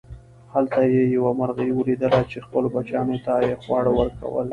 هلته یې یوه مرغۍ وليدله چې خپلو بچیانو ته یې خواړه ورکول.